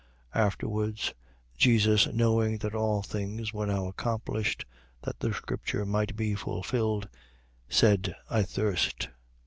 19:28. Afterwards, Jesus knowing that all things were now accomplished, that the scripture might be fulfilled, said: I thirst.